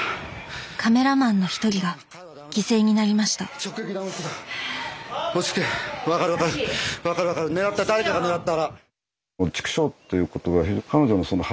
カメラマンの一人が犠牲になりました